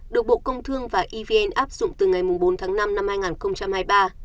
được bộ công thương và evn áp dụng từ ngày bốn tháng năm năm hai nghìn hai mươi ba